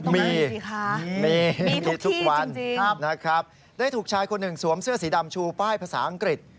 มีมีทุกวันนะครับได้ถูกชายคนหนึ่งสวมเสื้อสีดำชูป้ายภาษาอังกฤษ